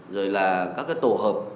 rồi là các tổ hợp